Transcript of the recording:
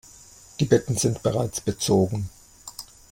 Die Betten sind bereits bezogen.